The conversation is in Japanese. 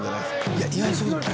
「いや意外とそうでもない」